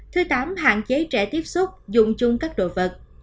thứ tám hạn chế trẻ tiếp xúc dùng chung các đồ vật